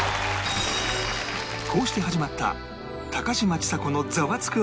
こうして始まった高嶋ちさ子のザワつく！